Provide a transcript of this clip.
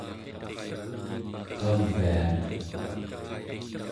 kaviaq